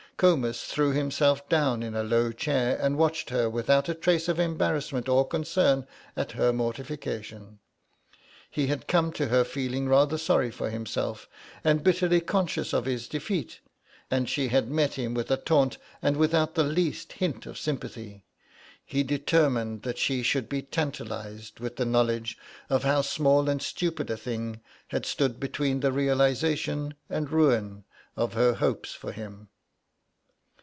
Comus threw himself down in a low chair and watched her without a trace of embarrassment or concern at her mortification. He had come to her feeling rather sorry for himself, and bitterly conscious of his defeat, and she had met him with a taunt and without the least hint of sympathy; he determined that she should be tantalised with the knowledge of how small and stupid a thing had stood between the realisation and ruin of her hopes for him.